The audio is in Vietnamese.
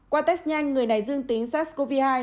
qua test nhanh người này dương tính sars cov hai